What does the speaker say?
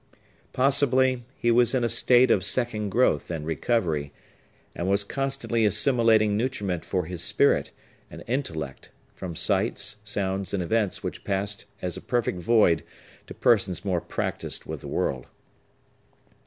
Possibly, he was in a state of second growth and recovery, and was constantly assimilating nutriment for his spirit and intellect from sights, sounds, and events which passed as a perfect void to persons more practised with the world.